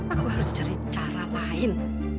aku harus cari cara lain